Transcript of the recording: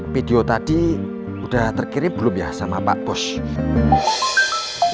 video tadi udah terkirim belum ya sama pak bosch